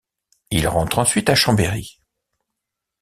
Il rentre ensuite à Chambéry.